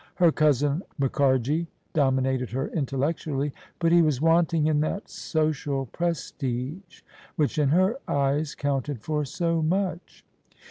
Her cousin, Mukharji, dominated her intellectually : but he was wanting in that social prestige, which in her eyes counted for so much.